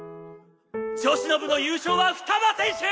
女子の部の優勝はふたば選手！